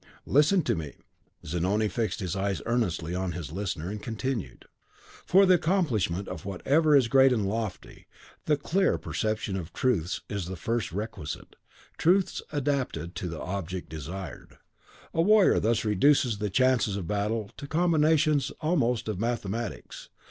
Listen to me!" Zanoni fixed his eyes earnestly on his listener, and continued: "For the accomplishment of whatever is great and lofty, the clear perception of truths is the first requisite, truths adapted to the object desired. The warrior thus reduces the chances of battle to combinations almost of mathematics.